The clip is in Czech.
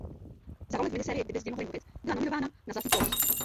Za roli v minisérii "Kdyby zdi mohly mluvit" byla nominovaná na Zlatý glóbus.